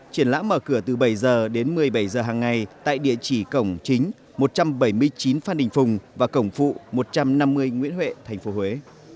triển lãm mở cửa từ bảy h đến một mươi bảy h hàng ngày tại địa chỉ cổng chính một trăm bảy mươi chín phan đình phùng và cổng phụ một trăm năm mươi nguyễn huệ tp huế